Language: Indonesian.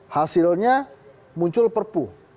hasilnya muncul perpu